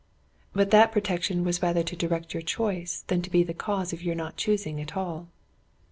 "But that protection was rather to direct your choice, than to be the cause of your not choosing at all.